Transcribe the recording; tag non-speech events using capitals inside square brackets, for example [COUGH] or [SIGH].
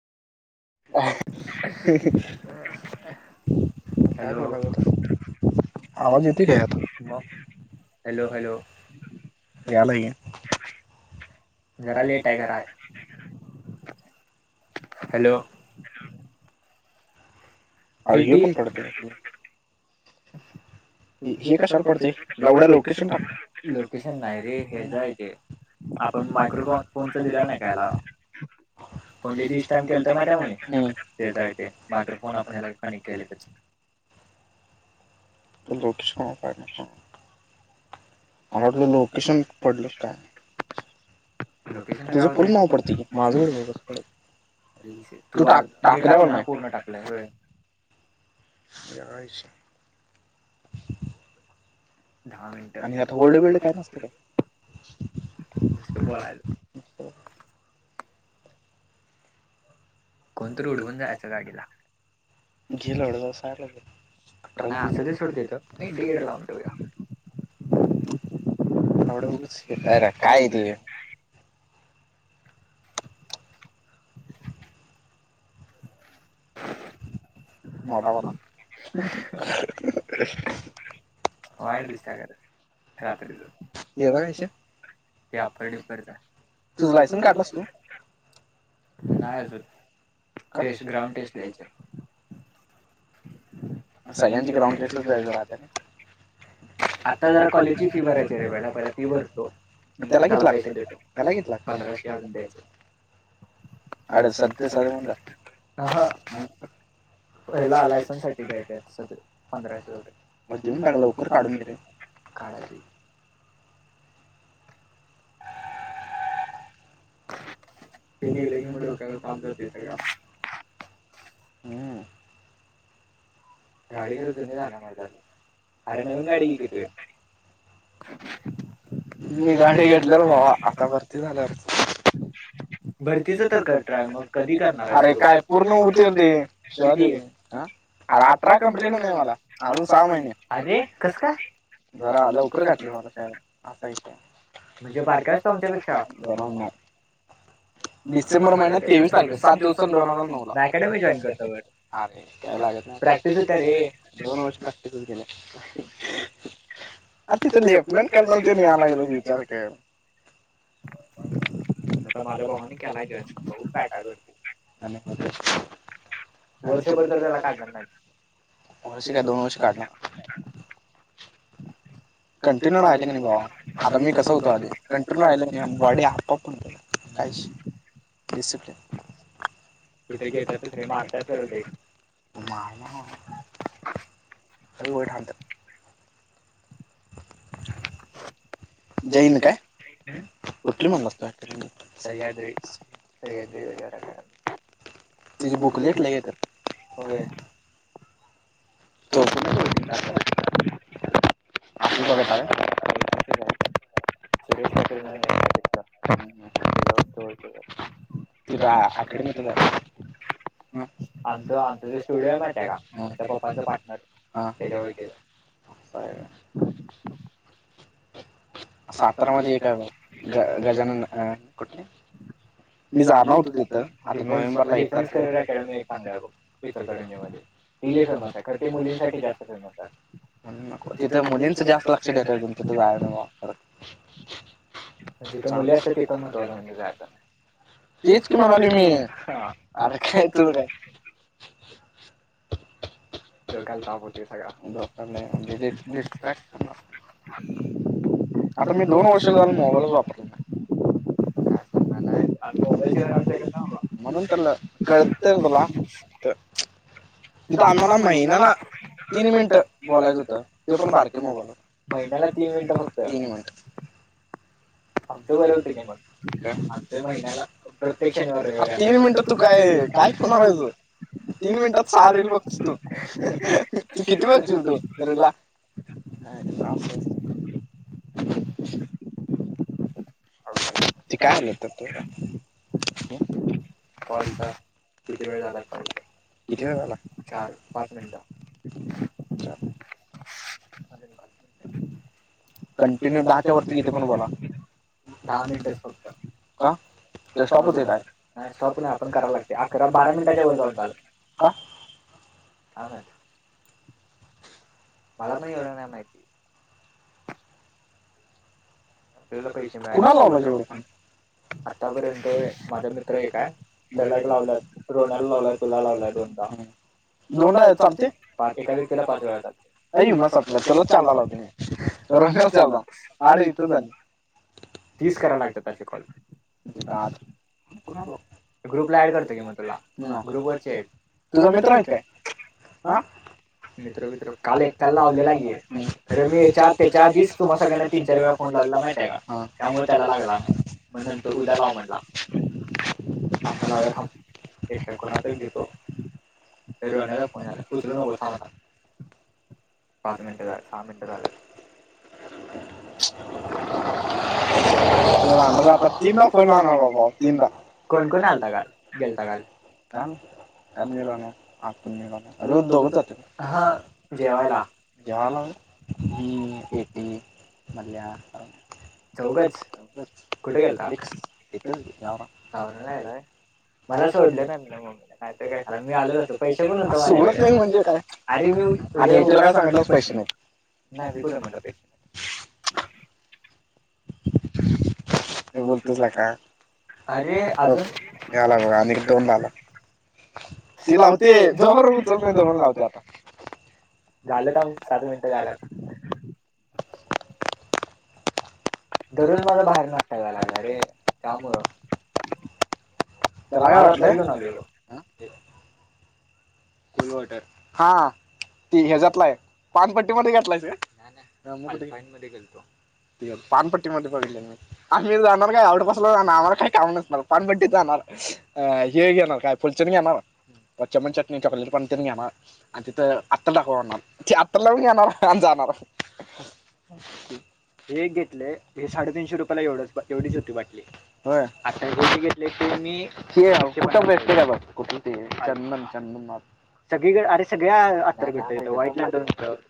Hello. आवाज येतोय का यात? मग हॅलो हॅलो. याला यील. जरा लेट आहे घरा आहे हॅलो. ये पण पडतय हे कशावर पडतय एवढ्या लोकेशन टाक लोकेशन नाही रे हे जाय ते आपण मायक्रोफोन फोनच दिलेलं नाही काय या ला कोणते दिस टाइम केलत माहितय काय मा हं तेजय ते मायक्रोफोन आपण याला कनेक्ट केलय ते. त लोकेशनला पाठवा मला वाटलं लोकेशन पडलं काय तुझं पुर्ण नाव पडते की माझं बघ नाव कसं पडतंय तू टक टाक ना टाकले व्हय वेगळा विषय दहा मिनिट ह्यात होल्ड बिल्ड काय नुसत बोलायचं. कोणतर उडवून जायचं गाडीला नाही असं ते सोडतोय तो इंडिकेटर लावून ठेऊया [UNINTELLIGIBLE] इथं रायरे काय इथे [UNINTELLIGIBLE] मठा कता वांड दिसायलय रात्रीचं जेवाय आश्या. त्या तु लायसन काढलास तू? नाही अजून, का टेस्ट ग्राउंड टेस्ट द्यायचीये सगळ्यांची ग्राउंड तसंच होऊन राहत्या रे आता जरा कॉलेजची फी भरायची रे पहिला पहिला फी भरतो त्याला त्याला पैसे देतो पंधराशे अजून द्यायचे आणि सगळे सगळ देत अ हं पहिला लायसन्स साठी द्यायचे सध पंधराशे रुपये देेऊन टागलं लवकर काढून घे काढायचे की तिथ गेलं की मग डोक्याला ताप जातंय सगळा गाडी खरच जुनी झालीया माझी तू अरे नवीन गाडी घेतली की तू. मी गार्ड घेतल्यावर भावा आता भरती झाल्यावरचं. [INAUDIBLE] भरतीच तर करतय मग कधी करणार काय पूर्ण होऊ तर दे किती अरे अठरा कंप्लेट नाही मला अजून सहा महिने अरे कस काय? जरा लवकर घातलं मला तेव्हा हे म्हणजे बारका आहेस तू आमच्यापेक्षा? दोन हजार नऊ डिसेंबर महिन्यात तेवीस तारखे सात दिवस दोन हजार नऊ ला अकॅडमी जॉइन करतो का? अरे काय लागत नाय प्रॅक्टीस होतीया रे दोन वर्ष प्रॅक्टीसच केलीया आ तिचं लेफमन कलमन तेन यायलागलयं विचार कर. आता माझ्या भावानी [UNINTELLIGIBLE] वर्ष बर त्याला काढ वर्ष काय दोन वर्ष काढणार [UNINTELLIGIBLE] कंटिन्यूर राहिले की नाही बाबा आता मी कसं होतो आधी कंटिन्यूर राहिले क नाही बॉडी आपआप बनते काय विषय डिसीप्लिन तिथे घेतात तिथे मारतात तर ते मा [UNINTELLIGIBLE] [INAUDIBLE] जैन काय? हं कुठली म्हणलास तू? सह्याद्री, सह्याद्री [UNINTELLIGIBLE] तीजे बुकलेट लई येत्याय, होय. तु कोणाच ओळखीचं टाकलास [UNINTELLIGIBLE] नाय नाय ओळखीचेच आहेत. सुरेश पाटील म्हणून एक आहे तिथलं. हम्म, हम्म तेच्यावर तो [UNINTELLIGIBLE] तुथ आकडी मध्ये होतंय आमच आम त स्टुडिओ मातय का त्या पप्पांच पार्टनर त्याच्या वळखीच हाय असंय का सातारमध्ये एक आहे बघ ग गजानन अ कुठलं? मी जाणार होतो तिथं. ति लई फेमस आहे खरं ती मुलींसाठी जास्त फेमस आहे. म्हणून नको. तिथं मुलींचं जास्त लक्ष देतात. तुमचं तिथं जायाला नको बा खरंच. ते चांगले असते तिथं महत्वाचं म्हणजे [UNINTELLIGIBLE] तेच की म्हणालोय मी. अरे काय तु काय डोक्याला ताप होतोय सगळा. [INAUDIBLE] आता मी दोन वर्ष झाल मोबाईलच वापरला नाही. म्हणून तेला कळतंय का तेला? त तिथं आम्हाला महिन्याला तीन मिनट बोलायचं होतं ते पण बारके मोबाईलवर. महिन्याला तीन मिनट फक्त? तीन मिनट [INAUDIBLE] आमचं बरं होत की मग. आमचं महिन्याला प्रत्येक शनिवारी, रविवार असायचं‌. तीन मिंनटात तू काय काय हूणार हाय तुझ. तीन मिंनटात सहा रील बघतोस तु, किती बघचील तू रीला? नाही केला असंच. ते काय आलवत? ते बघा कॉलचा किती वेळ झाला कॉल. किती वेळ झाला? चार पाच मिनट. कंटिन्यू दहाच्यावरती कितीे पण बोला. दहा मिनटचं फक्त. का? ते स्टॉपच होतोय काय? नाही स्टॉप नाही आपण कराव लागतंय. अकरा-बारा मिनटाच्यावर जाऊन चालत, का? का माहित. मला पण एवढं नाही माहिती. आपल्याला पैसे मिळाले [UNINTELLIGIBLE] कुणाला लावलेलंयस एवढं फोन? आतापर्यंत होय माझा मित्र एक आहे त्याला एक लावला, रोहनाला लावला. तेला लावलाय दोनदा. दोनदा आहे चालते? पा एका व्यक्तीला पाच वेळा चालतंय. अई मग सपला तुलाच चारदा लावतो मी. रोहन्याला चारदा आठ इथंच झाली. तीस कराय लागतात अशे कॉल. आठ ग्रुपला ऍड करतो की मग तुला हा ग्रुपवरचे आहेत. तुझा मित्र आहेत काय? आ? मित्र-वीत्र काल एकट्याला लावलेला की. खरं मी हेच्या तेच्या आधीच तुम्हा सगळ्यांना तीन चार वेळा फोन लागला नाय. त्यामुळे त्याला लागला नाही, मग नंतर उद्या लाव म्हणला. आता लावूया थांब. एकट्या कोणाला तरी घेतो. रोहण्याच्या फोन यालाय, उचलू नकोस थांब आता. पाच मिनिटं झाल्या, सहा मिनिटं झाल्यात. [INAUDIBLE] [INAUDIBLE] रांडचा आता तीनदा फोन लावला भावा तीनदा. कोण कोण आलता काल गेलता काल? काम? काल पण नाही रोहन्या, आज पण नाही रोहन्या रोज दोघंच जातात. हा जेवायला. जेवाय लागलोय. हम्म, येती. बध्येया कार. चौघच, कुठे गेलता? मला सोडलं नाही आमच्या मम्मीन नाही तर कशाला. मी आलोच असतो पैसे पण होत माझ्याकडं. आरे सोडत नाही म्हणजे काय? आरे मी [UNINTELLIGIBLE] काय सांगितलं पैसे नाहीत. नाय मी कुठे म्हटलं पैसे [INAUDIBLE] हे बोलतोसला का अरे आला बघा आणि दोनडलं. ति लावते जोपर्यंत उचलत नाही तोपर्यंत लावतोय आता. झालं थांब सात मिनिट झाल्यात दररोज माझा बाहेर नसताव लागला रे त्यामुळं. त्याला काय वाटलंय. ट हा ती हे जातलाय पानपट्टी मध्ये घेतलायस काय? ती पानपट्टी मध्ये बघल मी. आम्ही जाणार काय [UNINTELLIGIBLE] जाणार आम्हा काम नसणार, पानपट्टीत जाणार. अ हे घेणार काय फुलचेन घेणार चमण चटणी चॉकलेट पण घेणार. आणि तिथं आत्ता दाखवणार आत लावून येणार आणि जाणार. हे एक घेतलंय‌. हे साडेतीनशे रुपयाला एवढच एवढीच होती बाटली. हो आठ गोष्टी घेतली क मी वस्टघ कुठ त्यां सगळीकडे अरे सगळ्या आत्तर घडत य वाईट.